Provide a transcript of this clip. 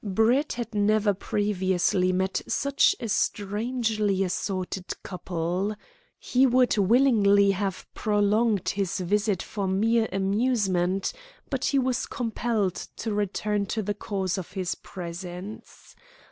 Brett had never previously met such a strangely assorted couple. He would willingly have prolonged his visit for mere amusement, but he was compelled to return to the cause of his presence.